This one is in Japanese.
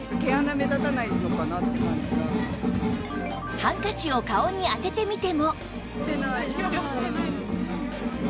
ハンカチを顔に当ててみても